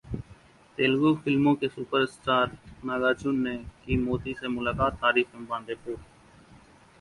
तेलुगू फिल्मों के सुपरस्टार नागार्जुन ने की मोदी से मुलाकात, तारीफ के बांधे पुल